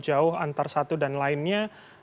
jangan terlalu jauh antara satu dan lainnya